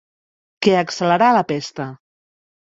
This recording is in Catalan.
Què accelerà la pesta?